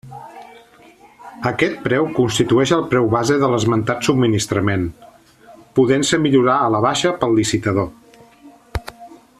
Aquest preu constitueix el preu base de l'esmentat subministrament, podent-se millorar a la baixa pel licitador.